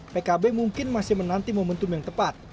pkb mungkin masih menanti momentum yang tepat